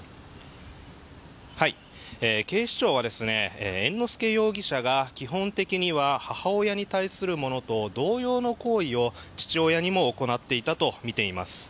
警視庁は猿之助容疑者が基本的には母親に対するものと同様の行為を父親にも行っていたとみています。